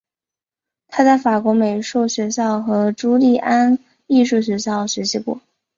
他在法国美术学校和朱利安艺术学校学习过。